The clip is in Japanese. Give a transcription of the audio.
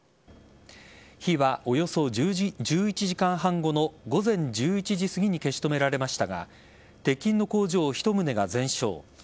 火はおよそ１１時間半後の午前１１時すぎに消し止められましたが鉄筋の工場１棟が全焼。